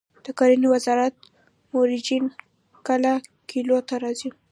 د کرنې وزارت مروجین کله کلیو ته راځي؟